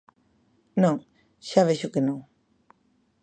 Non, xa vexo que non.